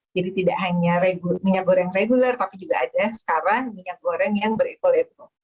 jadi tidak hanya minyak goreng reguler tapi juga ada sekarang minyak goreng yang eco label